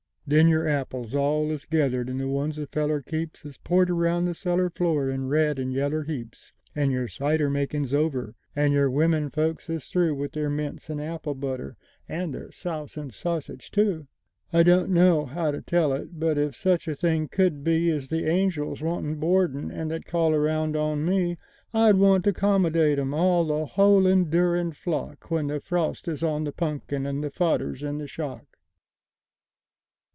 Then your apples all is gethered, and the ones a feller keepsIs poured around the cellar floor in red and yaller heaps; And your cider makin's over, and your wimmern folks is throughWith theyr mince and apple butter, and theyr souse and sausage too!…I don't know how to tell it—but ef such a thing could beAs the angels wantin' boardin', and they'd call around on me—I'd want to 'commodate 'em—all the whole indurin' flock—When the frost is on the punkin and the fodder's in the shock.